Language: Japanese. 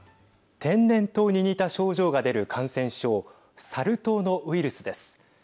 天然痘に似た症状が出る感染症サル痘のウイルスです。